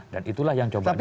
dan itulah yang coba dibaca